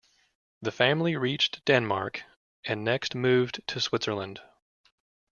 The family reached Denmark and next moved to Switzerland.